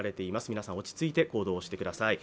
皆さん、落ち着いて行動してください。